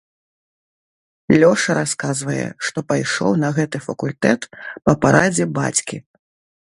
Лёша расказвае, што пайшоў на гэты факультэт па парадзе бацькі.